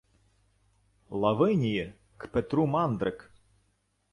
Лавинії к Петру мандрик